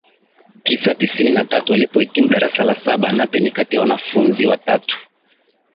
tisa tisini na tatu alipohitimu darasa la saba Nape ni kati ya wanafunzi watatu